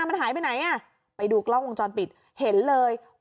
มันหายไปไหนอ่ะไปดูกล้องวงจรปิดเห็นเลย